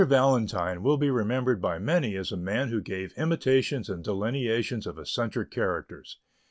Valentine will be remembered by many as a man who gave imitations and delineations of eccentric characters.